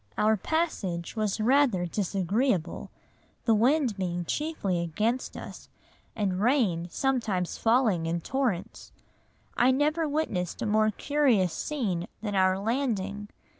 Our passage was rather disagreeable, the wind being chiefly against us, and rain sometimes falling in torrents. I never witnessed a more curious scene than our landing.